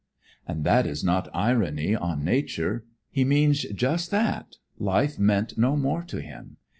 And that is not irony on nature, he means just that, life meant no more to him.